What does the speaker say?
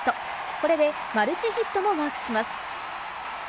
これでマルチヒットもマークします。